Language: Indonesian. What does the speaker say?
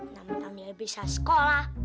namun kami bisa sekolah